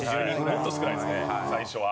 もっと少ないですね最初は。